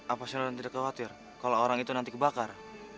apa sunan tidak khawatir kalau orang itu nanti kebakar